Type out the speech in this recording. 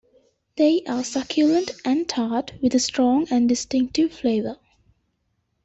They are succulent and tart with a strong and distinctive flavour.